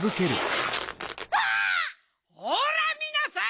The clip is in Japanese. あ！ほらみなさい！